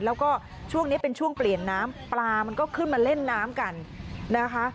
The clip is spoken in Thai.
แล้วก็ช่วงนี้เป็นช่วงเปลี่ยนน้ำปลามันก็ขึ้นมาเล่นน้ำกันนะคะ